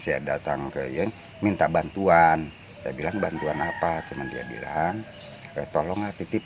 saya datang ke yang minta bantuan dan bilang bantuan apa cuman dia bilang ke tolong ngakitip